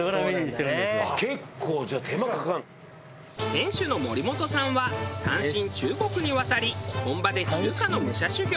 店主の森本さんは単身中国に渡り本場で中華の武者修行。